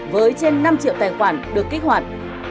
với trên năm triệu tài khoản được kích hoạt